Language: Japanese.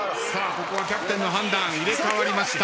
ここはキャプテンの判断入れかわりました。